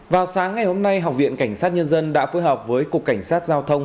vào sáng ngày hôm nay học viện cảnh sát nhân dân đã phối hợp với cục cảnh sát giao thông